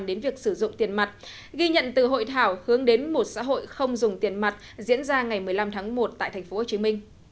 đến việc sử dụng tiền mặt ghi nhận từ hội thảo hướng đến một xã hội không dùng tiền mặt diễn ra ngày một mươi năm tháng một tại tp hcm